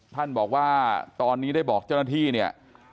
ท่านบอกว่าตอนนี้ได้บอกเจ้าหน้าที่เนี่ย